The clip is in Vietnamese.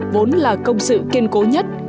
vốn là công sự kiên cố nhất